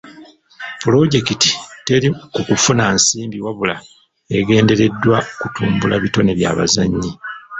Pulojekiti teri ku kufuna nsimbi wabula egendereddwa kutumbula bitone by'abazannyi.